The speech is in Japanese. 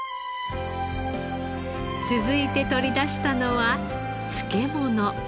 続いて取り出したのは漬物。